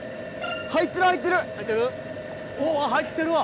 おぉ入ってるわ！